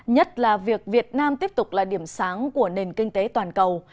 nhất là việc việt nam tiếp tục là điểm sáng của nền kinh tế toàn cầu